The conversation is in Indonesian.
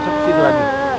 masuk ke situ lagi